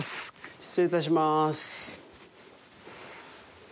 失礼いたします。